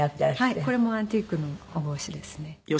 これもアンティークのお帽子ですね。